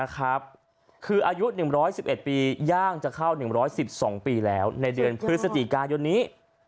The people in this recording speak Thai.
คืออายุ๑๑๑ปีย่างจะเข้า๑๑๒ปีแล้วในเดือนพฤศจิกายนนี้